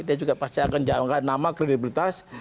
dia juga pasti akan jarangkan nama kredibilitas